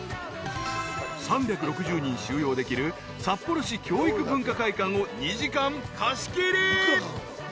［３６０人収容できる札幌市教育文化会館を２時間貸し切り］